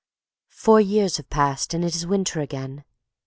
Four years have passed and it is winter again.